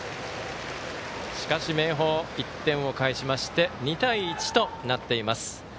しかし、明豊１点を返しまして２対１となっています。